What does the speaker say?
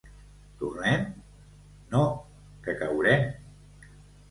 —Tornem? —No, que caurem.